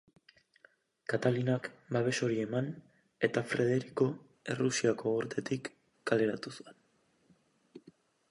Katalinak babes hori eman eta Frederiko Errusiako gortetik kaleratu zuen.